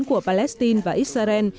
của palestine và israel